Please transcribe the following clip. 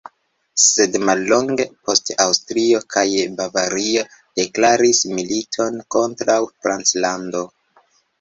Sed mallonge poste Aŭstrio kaj Bavario deklaris militon kontraŭ Franclando.